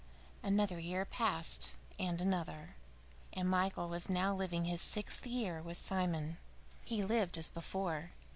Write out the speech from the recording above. VIII Another year passed, and another, and Michael was now living his sixth year with Simon. He lived as before.